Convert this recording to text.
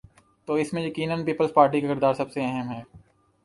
تو اس میں یقینا پیپلزپارٹی کا کردار سب سے اہم ہے۔